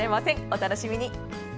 お楽しみに。